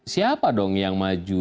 siapa dong yang maju